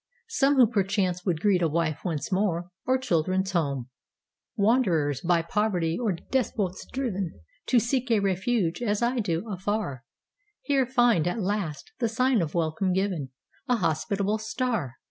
Some who perchance would greet a wife once more, Or children's home; Wanderers, by poverty or despots drivenTo seek a refuge, as I do, afar, Here find, at last, the sign of welcome given,—A hospitable star!